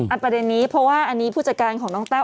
ประเด็นนี้เพราะว่าอันนี้ผู้จัดการของน้องแต้ว